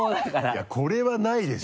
いやこれはないでしょ？